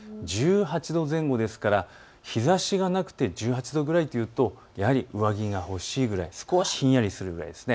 １８度前後ですから日ざしがなくて１８度ぐらいというと、やはり上着が欲しいくらい、少しひんやりするくらいです。